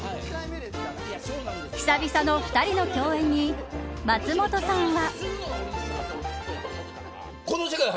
久々の２人の共演に松本さんは。